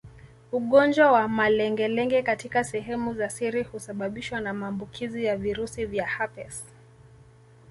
Ugonjwa wa malengelenge katika sehemu za siri husababishwa na maambukizi ya virusi vya herpes